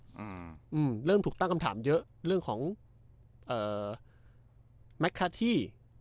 อืมเริ่มถูกตั้งคำถามเยอะเรื่องของเอ่อแมคคาที่